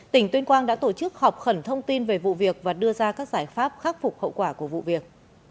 tỉnh tuyên quang đã tổ chức họp khẩn thông tin về vụ việc và đưa ra các giải pháp khắc phục hậu quả của vụ việc